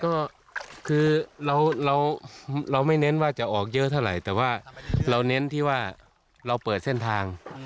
ก็คือเราเราไม่เน้นว่าจะออกเยอะเท่าไหร่แต่ว่าเราเน้นที่ว่าเราเปิดเส้นทาง